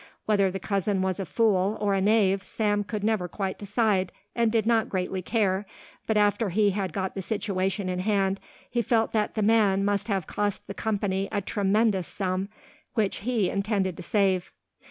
Whether the cousin was a fool or a knave Sam could never quite decide and did not greatly care, but after he had got the situation in hand he felt that the man must have cost the company a tremendous sum, which he intended to save.